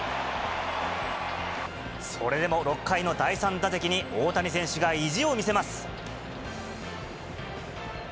それでも６回の第３打席に、大谷選手が意地を見せます。